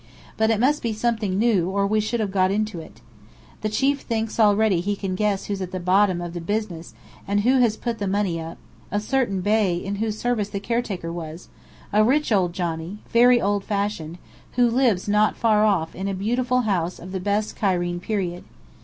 But it must be something new, or we should have got onto it. The Chief thinks already he can guess who's at the bottom of the business and who has put the money up: a certain Bey, in whose service the caretaker was a rich old Johnny, very old fashioned, who lives not far off in a beautiful house of the best Cairene period.